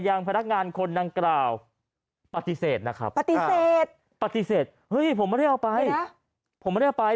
ยังภนักงานคนนางกราวปฏิเสธนะครับปฏิเสธปฏิเสธเฮ้ยผมไว้เอาไปนะผมจะไป